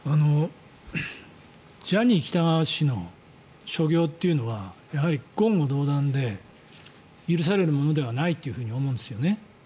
ジャニー喜多川氏の所業というのはやはり言語道断で許されるものではないと思うんですね。